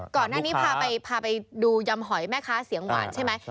ก่อนหน้านี้พาไปดูยำหอยแม่ค้าเสียงหวานใช่ไหม